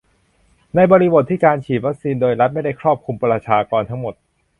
ในบริบทที่การฉีดวีคซีนโดยรัฐไม่ได้ครอบคลุมประชากรทั้งหมด